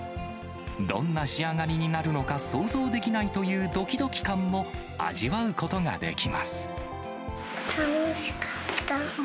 どんな仕上がりになるのか、想像できないというどきどき感も味わうことができます。